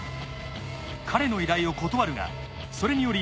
彼の依頼を断るがそれにより